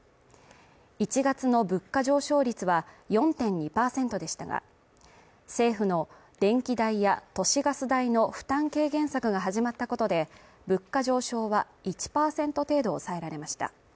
１月の物価上昇率は４．２％でしたが、政府の電気代や都市ガス代の負担軽減策が始まったことで、物価上昇は１％程度抑えられました。